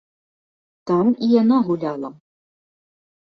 Там і яна гуляла.